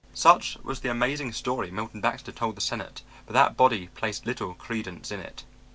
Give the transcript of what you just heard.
Such was the amazing story Milton Baxter told the Senate, but that body placed little credence in it.